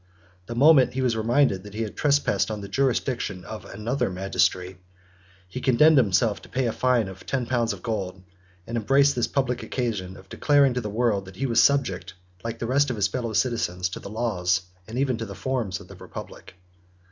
The moment he was reminded that he had trespassed on the jurisdiction of another magistrate, he condemned himself to pay a fine of ten pounds of gold; and embraced this public occasion of declaring to the world, that he was subject, like the rest of his fellow citizens, to the laws, 75 and even to the forms, of the republic.